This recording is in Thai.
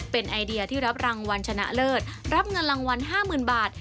เป็นไอเดียที่รับรางวัลชนะเลิศรับเงินรางวัล๕๐๐๐บาท